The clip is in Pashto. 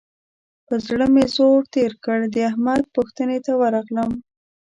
پر زړه مې زور تېر کړ؛ د احمد پوښتنې ته ورغلم.